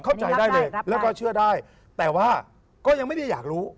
เข้าใจได้เลยแล้วก็เชื่อได้แต่ว่าก็ยังไม่ได้อยากรู้